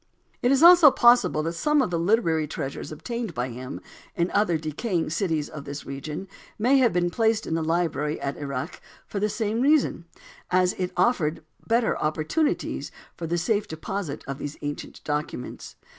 It is also possible that some of the literary treasures obtained by him in other decaying cities of this region may have been placed in the library at Erech for the same reason, as it offered better opportunities for the safe deposit of these ancient documents.